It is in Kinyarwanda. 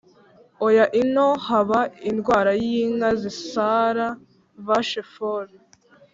oya ino haba indwara y'inka zisara(vache folle).